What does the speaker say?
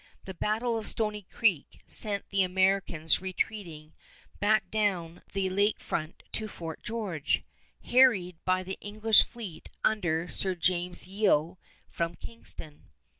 The battle of Stony Creek sent the Americans retreating back down the lake front to Fort George, harried by the English fleet under Sir James Yeo from Kingston.